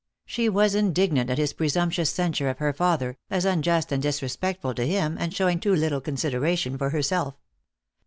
She was indignant at his piusuinptuous censure of her father, as unjust and disrespectful to him, and showing too little consideration for herself.